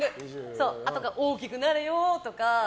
あとは大きくなれよとか。